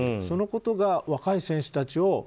そのことが若い選手たちを。